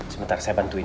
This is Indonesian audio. sebentar saya bantuin